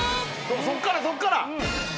そっからそっから！